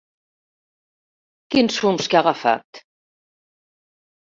Quins fums que ha agafat.